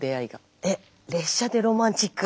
列車でロマンチック？